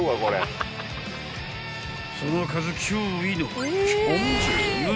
［その数驚異の］